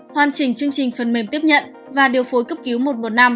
hoàn chỉnh chương trình phần mềm tiếp nhận và điều phối cấp cứu một trăm một mươi năm